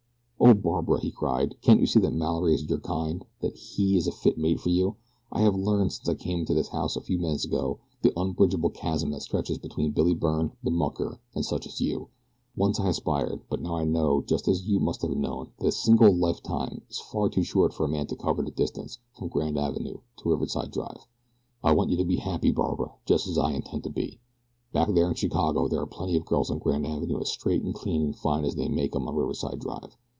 "O Barbara," he cried, "can't you see that Mallory is your kind that HE is a fit mate for you. I have learned since I came into this house a few minutes ago the unbridgeable chasm that stretches between Billy Byrne, the mucker, and such as you. Once I aspired; but now I know just as you must have always known, that a single lifetime is far too short for a man to cover the distance from Grand Avenue to Riverside Drive. "I want you to be happy, Barbara, just as I intend to be. Back there in Chicago there are plenty of girls on Grand Avenue as straight and clean and fine as they make 'em on Riverside Drive.